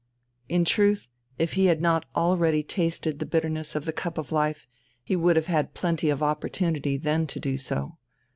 In truth, if he had not already tasted the bitterness of the cup of life, he would have had plenty of opportunity then to do so.